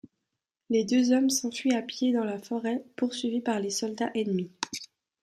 Les deux hommes s'enfuient à pied dans la forêt, poursuivis par les soldats ennemis.